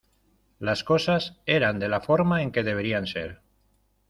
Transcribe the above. Las cosas eran de la forma en que deberían ser